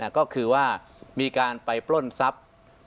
ก็คือว่ามีการไปปล้นทรัพย์